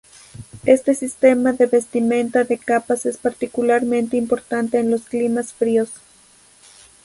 Este sistema de vestimenta de capas es particularmente importante en los climas fríos.